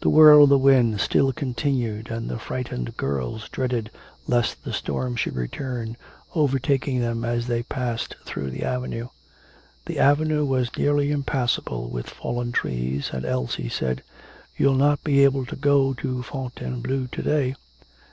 The whirl of the wind still continued and the frightened girls dreaded lest the storm should return, overtaking them as they passed through the avenue. The avenue was nearly impassable with fallen trees, and Elsie said: 'You'll not be able to go to Fontainebleau to day.'